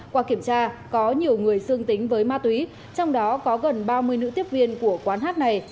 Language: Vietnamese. qua kiểm tra có nhiều người dương tính với ma túy trong đó có gần ba mươi nữ tiếp viên của quán hát này